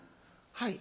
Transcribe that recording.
「はい」。